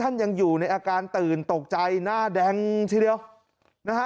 ยังอยู่ในอาการตื่นตกใจหน้าแดงทีเดียวนะฮะ